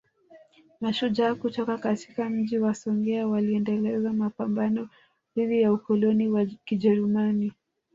Mashujaa kutoka katika Mji wa Songea waliendeleza mapambano dhidi ya ukoloni wa Kijerumani